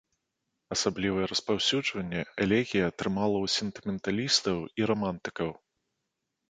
Асаблівае распаўсюджанне элегія атрымала ў сентыменталістаў і рамантыкаў.